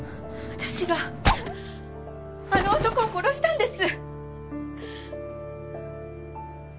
私があの男を殺したんです！